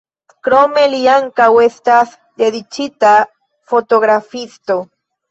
Krome li ankaŭ estas dediĉita fotografisto.